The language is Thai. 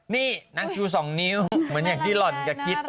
นี่นางชู๒นิ้วเหมือนอย่างที่หล่อนแกคิด